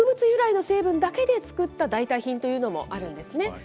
由来の成分だけで作った代替品というのもあるんですね。